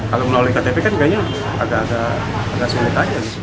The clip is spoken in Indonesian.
kalau melalui ktp kayaknya agak agak